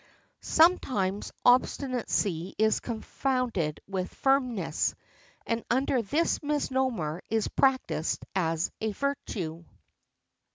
Sometimes obstinacy is confounded with firmness, and under this misnomer is practiced as a virtue.